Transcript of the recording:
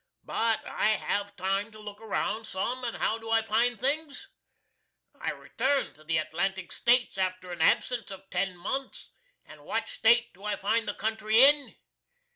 But I have time to look around sum & how do I find things? I return to the Atlantic States after a absence of ten months, & what State do I find the country in?